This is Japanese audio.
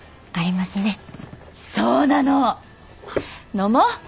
飲もう！